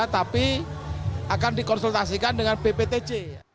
tapi akan dikonsultasikan dengan bptc